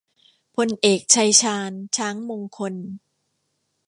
พลเอก ชัยชาญ ช้างมงคล